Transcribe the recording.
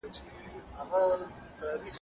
عاید زیات شو.